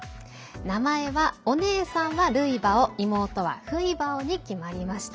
名前はお姉さんはルイバオ妹はフイバオに決まりました。